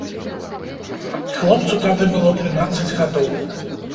Хлопцу тады было трынаццаць гадоў.